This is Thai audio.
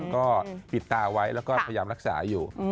ก็ปิดตาไว้แล้วก็พยายามรักษาอยู่